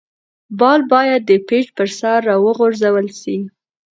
بال باید د پيچ پر سر راوغورځول سي.